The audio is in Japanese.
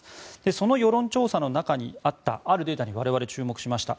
その世論調査の中にあったあるデータに我々、注目しました。